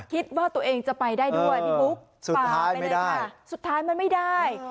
คิดว่าตัวเองจะไปได้ด้วยเออสุดท้ายไม่ได้สุดท้ายมันไม่ได้